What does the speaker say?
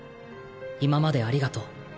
今までありがとう。